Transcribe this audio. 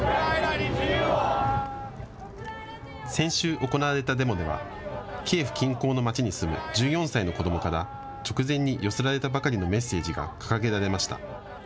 先週行われたデモではキエフ近郊の街に住む１４歳の子どもから直前に寄せられたばかりのメッセージが掲げられました。